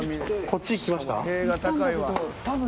こっちに来ました？